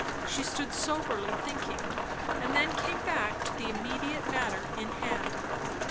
She stood soberly thinking, and then came back to the immediate matter in hand.